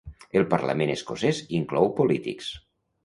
El parlament escocès inclou polítics.